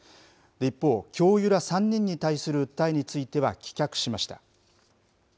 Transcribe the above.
一方、教諭ら３人に対する訴えについては棄却しました。